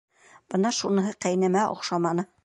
Бына шуныһы ҡәйнәмә оҡшаманы.